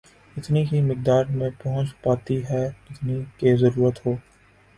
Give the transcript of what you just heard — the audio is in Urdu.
اتنی ہی مقدار میں پہنچ پاتی ہے جتنی کہ ضرورت ہو